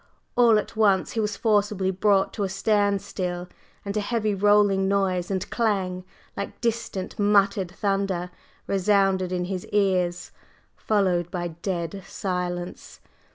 All at once he was forcibly brought to a standstill, and a heavy rolling noise and clang, like distant muttered thunder, resounded in his ears, followed by dead silence.